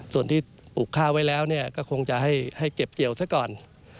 ส่วนที่ปลูกข้าวไว้แล้วก็คงจะให้เก็บเกี่ยวซะก่อน